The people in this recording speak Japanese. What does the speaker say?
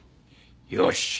よし。